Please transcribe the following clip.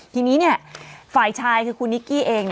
ทีนี้ฝ่ายชายคือคุณนิกกี้เอง